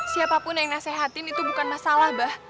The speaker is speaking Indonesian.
siapa pun yang nasehatin itu bukan masalah mbah